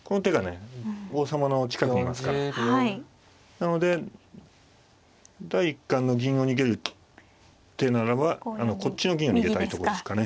なので第一感の銀を逃げる手ならばこっちの銀を逃げたいとこですかね。